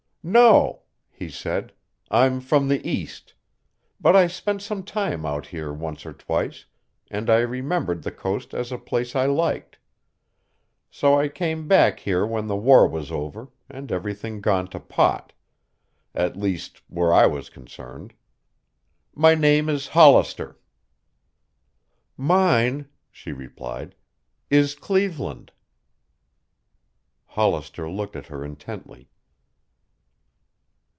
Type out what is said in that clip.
"No," he said. "I'm from the East. But I spent some time out here once or twice, and I remembered the coast as a place I liked. So I came back here when the war was over and everything gone to pot at least where I was concerned. My name is Hollister." "Mine," she replied, "is Cleveland." Hollister looked at her intently.